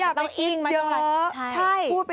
อย่าไปอิ่งเยอะ